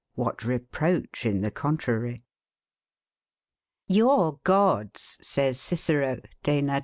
What reproach in the contrary! Your Gods, says Cicero [De Nat.